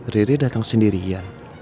riri datang sendirian